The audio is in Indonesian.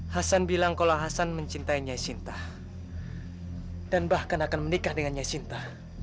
hasan bilang kalau hasan mencintai nyai sinta dan bahkan akan menikah dengan nyai sinta